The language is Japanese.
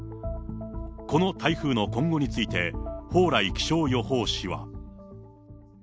この台風の今後について、蓬莱気象予報士は。